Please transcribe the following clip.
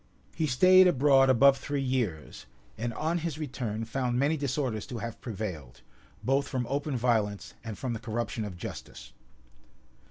He staid abroad above three years; and on his return found many disorders to have prevailed, both from open violence and from the corruption of justice.